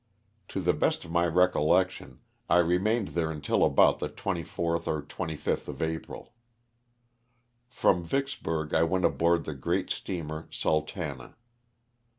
To the best of my recollection I remained there until about the 24th or 25th of April. From Vicksburg I went aboard of the great steamer '* Sultana."